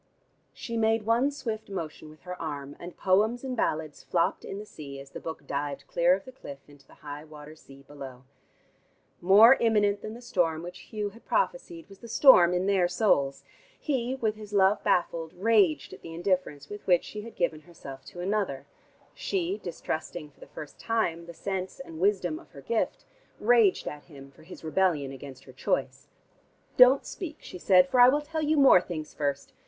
She made one swift motion with her arm, and "Poems and Ballads" flopped in the sea as the book dived clear of the cliff into the high water sea below. More imminent than the storm which Hugh had prophesied was the storm in their souls. He, with his love baffled, raged at the indifference with which she had given herself to another, she, distrusting for the first time, the sense and wisdom of her gift, raged at him for his rebellion against her choice. "Don't speak," she said, "for I will tell you more things first.